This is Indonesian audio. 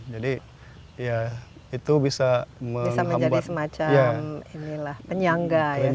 jadi ya itu bisa menjadi semacam penyangga